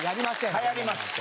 はやります。